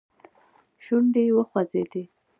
شونډې وخوځېدې.